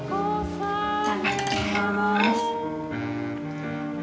いただきます。